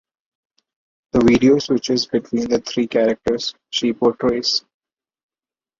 The video switches between the three characters she portrays.